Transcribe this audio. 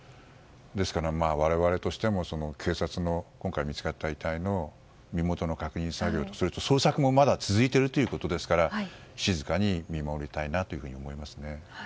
ですから、我々としても警察の今回見つかった遺体の身元の確認作業と、捜索もまだ続いているということですから静かに見守りたいなと思いますね。